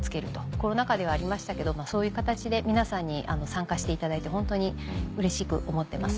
コロナ禍ではありましたけどもそういう形で皆さんに参加していただいて本当にうれしく思ってます。